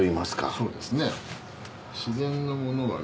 そうですね。